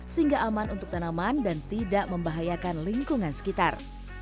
sehingga aman untuk tanaman dan tidak membahayakan lingkungan sekitar